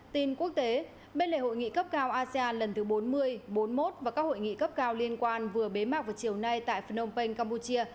tin quốc tế bên lề hội nghị cấp cao asean lần thứ bốn mươi bốn mươi một và các hội nghị cấp cao liên quan vừa bế mạc vào chiều nay tại phnom penh campuchia